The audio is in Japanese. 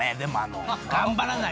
頑張らないと。